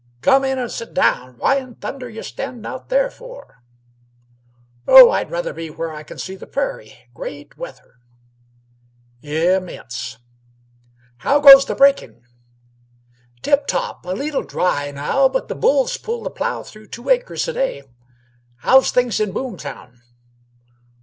"Come in an' sit down. What in thunder y' standin' out there for?" "Oh, I'd rather be where I can see the prairie. Great weather!" "Im mense!" "How goes breaking?" "Tip top! A leette dry now; but the bulls pull the plough through two acres a day. How's things in Boomtown?"